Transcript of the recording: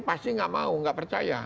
pasti gak mau gak percaya